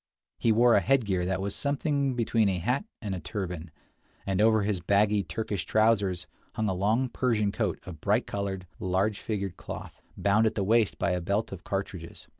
He wore a headgear that was something between a hat and a turban, and over his baggy Turkish trousers hung a long Persian coat of bright colored, large figured cloth, bound at the waist by a belt of cartridges.